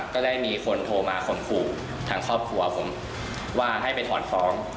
ก็ได้มีคนโทรมาข่มขู่ทางครอบครัวผมว่าให้ไปถอนฟ้อง